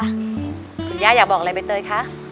คุณย่าอยากบอกอะไรใบเตยคะ